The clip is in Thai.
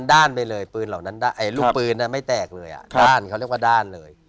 ด้านเขาเรียกว่าด้านเลย